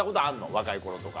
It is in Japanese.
若い頃とか。